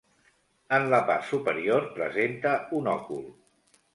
En la part superior presenta un òcul.